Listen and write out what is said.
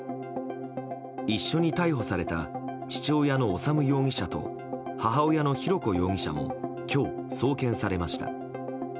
一緒に逮捕された父親の修容疑者と母親の浩子容疑者も今日、送検されました。